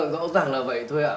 rõ ràng là vậy thôi ạ